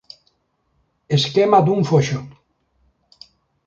Esquema dun foxo.